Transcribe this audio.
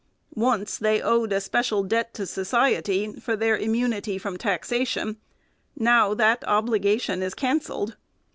Once they owed a special debt to society for their immunity from taxation ; now that obligation is cancelled.